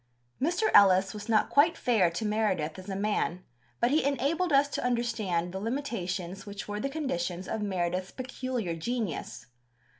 Mr. Ellis was not quite fair to Meredith as a man, but he enabled us to understand the limitations which were the conditions of Meredith's peculiar genius.